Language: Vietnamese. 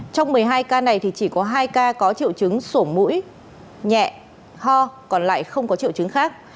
trong một mươi hai ca này thì chỉ có hai ca có triệu chứng sổ mũi nhẹ ho còn lại không có triệu chứng khác